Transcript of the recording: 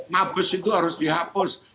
mabes itu harus dihapus